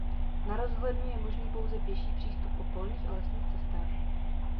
Na rozhlednu je možný pouze pěší přístup po polních a lesních cestách.